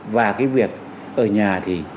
và cái việc ở nhà thì